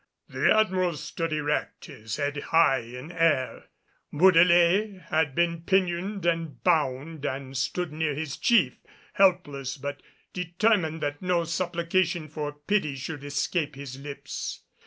The Admiral stood erect, his head high in air. Bourdelais had been pinioned and bound, and stood near his chief, helpless but determined that no supplication for pity should escape his lips.